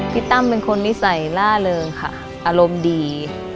ตั้มเป็นคนนิสัยล่าเริงค่ะอารมณ์ดี